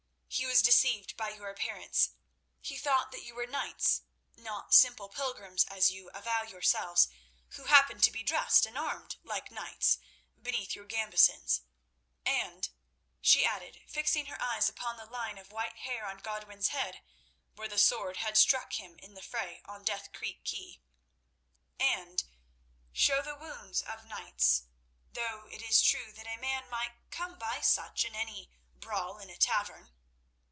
He was deceived by your appearance. He thought that you were knights, not simple pilgrims as you avow yourselves, who happen to be dressed and armed like knights beneath your gambesons; and," she added, fixing her eyes upon the line of white hair on Godwin's head where the sword had struck him in the fray on Death Creek quay, "show the wounds of knights, though it is true that a man might come by such in any brawl in a tavern.